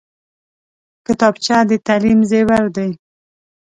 کتابچه د تعلیم زیور دی